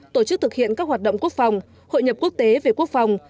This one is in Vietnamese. tổ chức thực hiện các hoạt động quốc phòng hội nhập quốc tế về quốc phòng